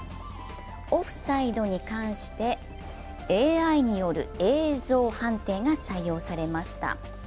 オフサイドに関して、ＡＩによる映像判定が採用されました。